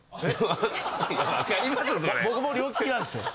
僕も両利きなんですよ。